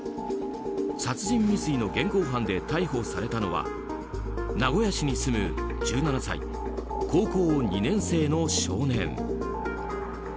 殺人未遂の現行犯で逮捕されたのは名古屋市に住む１７歳高校２年生の少年。